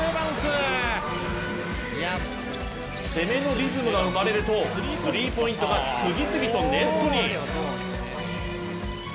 攻めのリズムが生まれるとスリーポイントが次々とネットに。